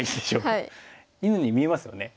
犬に見えますよね。